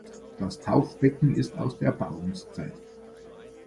Das Taufbecken ist aus der Erbauungszeit.